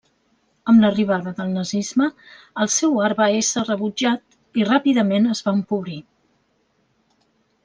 Amb l'arribada del nazisme, el seu art va ésser rebutjat i ràpidament es va empobrir.